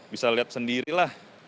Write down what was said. bisa lihat sendirilah